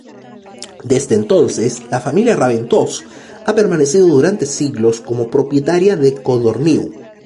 Desde entonces, la familia Raventós ha permanecido durante siglos como propietaria de Codorníu.